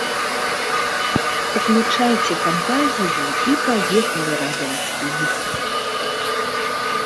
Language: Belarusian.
Уключайце фантазію і паехалі радаваць блізкіх!